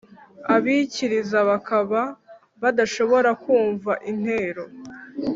abikiriza bakaba badashobora kumva intero?